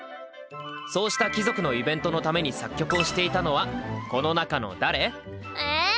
そうした貴族のイベントのために作曲をしていたのはこの中の誰？え？